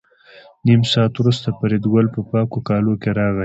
نیم ساعت وروسته فریدګل په پاکو کالو کې راغی